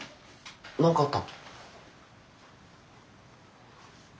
何かあった？